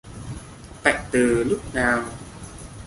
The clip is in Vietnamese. Tạnh từ lúc nào